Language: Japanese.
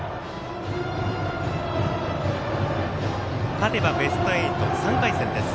勝てばベスト８３回戦です。